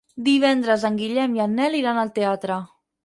Divendres en Guillem i en Nel iran al teatre.